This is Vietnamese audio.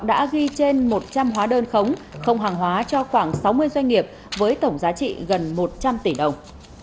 đã ghi trên một trăm linh hóa đơn khống không hàng hóa cho khoảng sáu mươi doanh nghiệp với tổng giá trị gần một trăm linh tỷ đồng